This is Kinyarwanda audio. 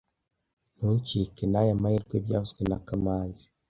Ntucikwe naya mahirwe byavuzwe na kamanzi